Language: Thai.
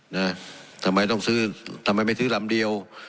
นะทำไมต้องซื้อทำไมไม่ซื้อลำเดียว